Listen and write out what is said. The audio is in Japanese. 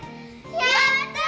やった！